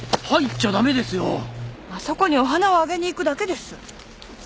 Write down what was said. あそこにお花をあげに行くだけです。